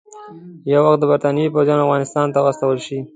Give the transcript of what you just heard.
یو وخت د برټانیې پوځیان افغانستان ته واستول شي.